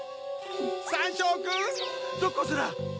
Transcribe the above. サンショウくんどこヅラ？